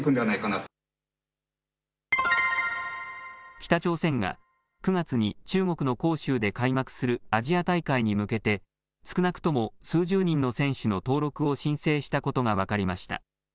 北朝鮮が９月に中国の杭州で開幕するアジア大会に向けて少なくとも数十人の選手の登録を申請したことが分かりました。